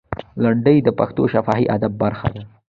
لنډۍ د پښتو شفاهي ادب برخه ده.